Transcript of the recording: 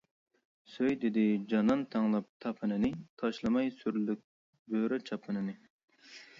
«سۆي» دېدى جانان تەڭلەپ تاپىنىنى، تاشلىماي سۈرلۈك بۆرە چاپىنىنى.